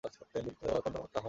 কিন্তু এখন আমার তা হয় না।